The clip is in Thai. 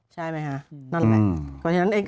ใช่ไหมคะนั่นแหละ